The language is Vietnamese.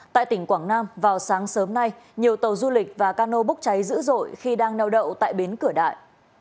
tại tỉnh quảng nam vào sáng sớm nay nhiều tàu du lịch và cano bốc cháy dữ dội khi đang neo đậu tại bến cửa đại